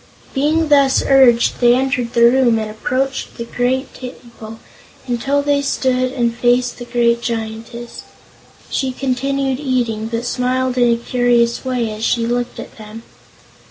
Being thus urged, they entered the room and approached the table, until they stood where they faced the great Giantess. She continued eating, but smiled in a curious way as she looked at them.